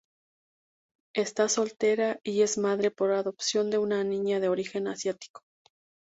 Está soltera y es madre por adopción de una niña de origen asiático.